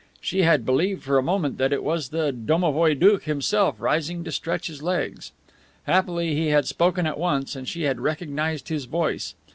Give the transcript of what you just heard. She had believed for a moment that it was the domovoi doukh himself rising to stretch his legs. Happily he had spoken at once and she had recognized his voice.